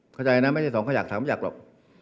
เข้าใจนะไม่ใช่๒ขยัก๓ขยักหรอก